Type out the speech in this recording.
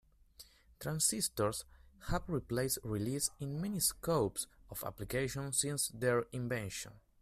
Transistors have replaced relays in many scopes of application since their invention.